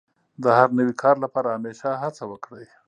د هر نوي کار لپاره همېشه هڅه وکړئ.